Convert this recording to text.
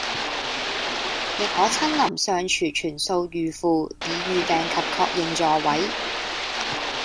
亦可親臨尚廚全數預付以預訂及確認座位